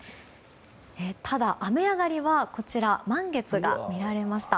ただ、雨上がりは満月が見られました。